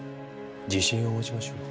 自信を持ちましょう。